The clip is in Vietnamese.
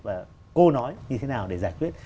và cô nói như thế nào để giải quyết